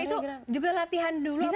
itu juga latihan dulu